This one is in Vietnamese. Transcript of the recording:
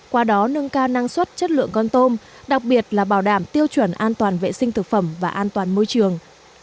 qua đó nâng cao năng suất chất lượng con tôm đặc biệt là bảo đảm tiêu chuẩn an toàn vệ sinh thực phẩm và an toàn môi trường